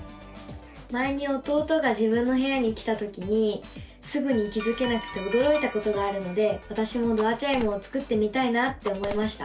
前に弟が自分の部屋に来たときにすぐに気付けなくておどろいたことがあるのでわたしもドアチャイムを作ってみたいなって思いました！